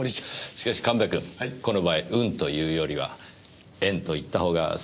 しかし神戸君この場合運というよりは縁と言ったほうが正確でしょう。